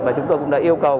và chúng tôi cũng đã yêu cầu